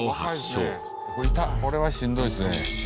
これはしんどいですね。